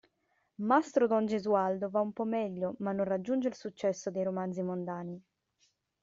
Mastro don Gesualdo va un po' meglio ma non raggiunge il successo dei romanzi mondani.